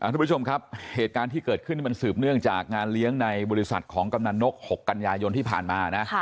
ทุกผู้ชมครับเหตุการณ์ที่เกิดขึ้นมันสืบเนื่องจากงานเลี้ยงในบริษัทของกำนันนก๖กันยายนที่ผ่านมานะ